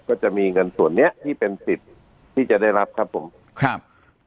ก็จะมีเงินส่วนเนี้ยที่เป็นสิทธิ์ที่จะได้รับครับผมครับ